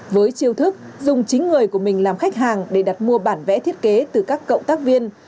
với chiêu thức dùng chính người của mình làm khách hàng để đặt mua bản vẽ thiết kế từ các cộng tác viên